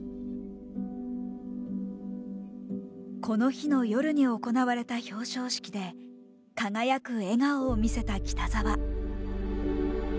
この日の夜に行われた表彰式で輝く笑顔を見せた北沢。